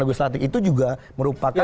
negeri selatik itu juga merupakan